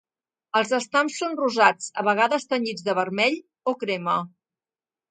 Els estams són rosats, a vegades tenyits de vermell o crema.